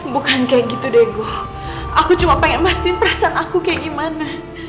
bukan kayak gitu dego aku cuma pengen pastiin perasaan aku kayak gimana